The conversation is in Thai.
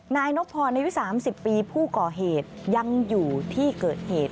นายนพรอายุ๓๐ปีผู้ก่อเหตุยังอยู่ที่เกิดเหตุ